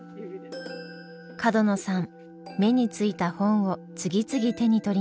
角野さん目についた本を次々手に取ります。